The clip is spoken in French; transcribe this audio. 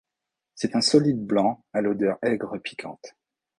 C'est un solide blanc à l'odeur aigre piquante.